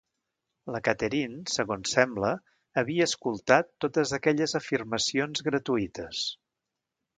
La Catherine, segons sembla, havia escoltat totes aquelles afirmacions gratuïtes.